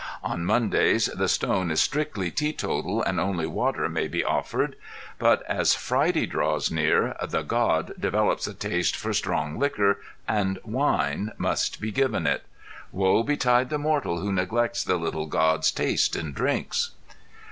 On Mondays the "stone" is strictly teetotal and only water may be offered, but as Friday draws near, the "God" develops a taste for strong liquor and wine must be given it. Woe betide the mortal who neglects the "little God's" taste in drinks.